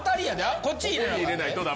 こっちに入れないとだめ。